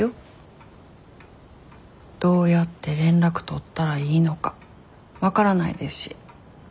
どうやって連絡取ったらいいのか分からないですし。